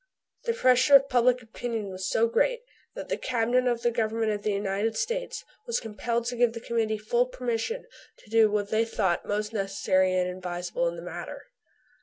The pressure of public opinion was so great that the Cabinet of the Government of the United States was compelled to give the Committee full permission to do what they thought most necessary and advisable in the matter.